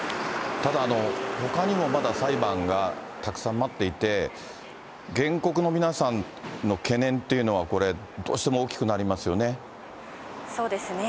ただ、ほかにもまだ裁判がたくさん待っていて、原告の皆さんの懸念っていうのはこれ、どうしても大きくなりますそうですね。